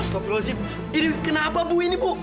astagfirullahaladzim ini kenapa bu ini bu